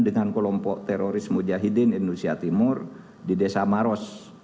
dengan kelompok teroris mujahidin indonesia timur di desa maros